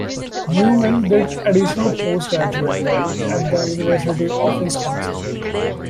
Neumann did additional post-graduate work at the University of Wisconsin.